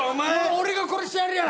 俺が殺してやるよ